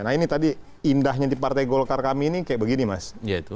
nah ini tadi indahnya di partai golkar kami ini kayak begini mas